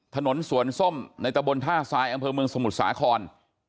ถนนสวนส้มในตะบนท่าทรายอำเภอเมืองสมุทรสาคร